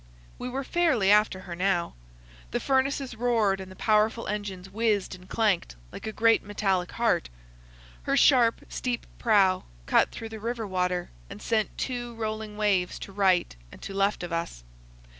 We were fairly after her now. The furnaces roared, and the powerful engines whizzed and clanked, like a great metallic heart. Her sharp, steep prow cut through the river water and sent two rolling waves to right and to left of us.